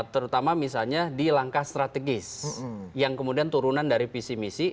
terutama misalnya di langkah strategis yang kemudian turunan dari visi misi